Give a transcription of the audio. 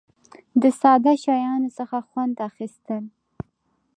د ساده شیانو څخه خوند اخیستل.